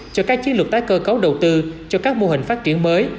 cho các chiến lược tái cơ cấu đầu tư cho các mô hình phát triển mới